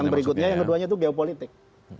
yang berikutnya yang keduanya itu geopolitik